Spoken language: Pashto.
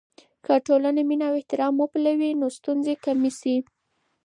که ټولنه مینه او احترام وپلوي، ستونزې کمې شي.